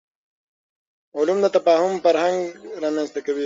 علم د تفاهم فرهنګ رامنځته کوي.